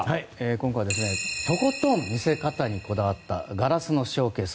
今回はとことん見せ方にこだわったガラスのショーケース。